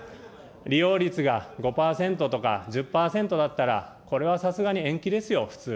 利用率が５％とか１０％だったら、これはさすがに延期ですよ、普通。